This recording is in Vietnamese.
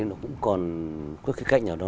nó cũng còn có cái cạnh nào đó